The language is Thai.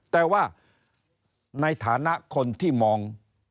แต่ว่าในฐานะคนที่มอง